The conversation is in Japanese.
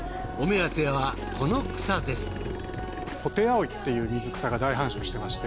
お目当てはこの草です。